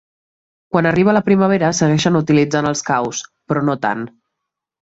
Quan arriba la primavera segueixen utilitzant els caus, però no tant.